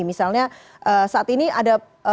misalnya saat ini ada